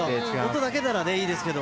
音だけならねいいですけど。